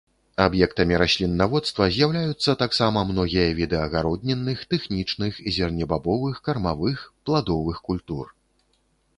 Аб'ектамі раслінаводства з'яўляюцца таксама многія віды агароднінных, тэхнічных, зернебабовых, кармавых, пладовых культур.